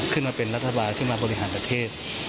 ขึ้นมาเป็นรัฐบาลขึ้นมาบริหารประเทศ